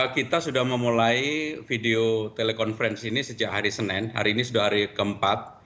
kita sudah memulai video telekonferensi ini sejak hari senin hari ini sudah hari keempat